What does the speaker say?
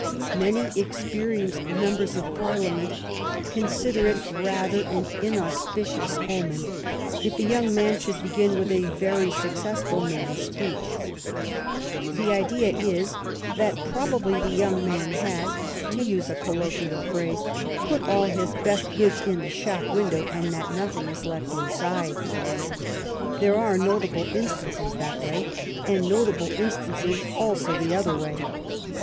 Many experienced members of Parliament consider it rather ^n inauspicious omen if a young man should begin with a very successful maiden speech. The idea is that probably the young man has, to use a colloquial phrase, put all his best goods in the shop 46 THE STORY OF GLADSTONE'S LIFE window, and that nothing is left inside. There are notable instances that way, and notable instances also the other way.